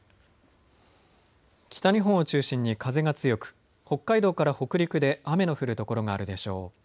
北日本を中心に風が強く北海道から北陸で雨の降る所があるでしょう。